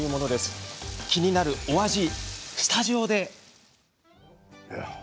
気になるお味、スタジオで。